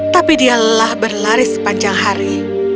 tapi dia lelah berlari sepanjang hari